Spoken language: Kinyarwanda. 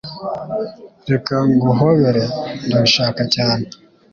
"Reka nguhobere." "Ndabishaka cyane."